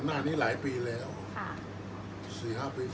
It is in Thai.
อันไหนที่มันไม่จริงแล้วอาจารย์อยากพูด